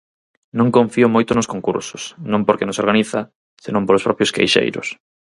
Non confío moito nos concursos, non por quen os organiza, senón polos propios queixeiros.